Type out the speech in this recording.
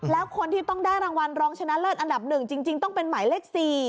แล้วคนที่ต้องได้รางวัลรองชนะเลิศอันดับ๑จริงต้องเป็นหมายเลข๔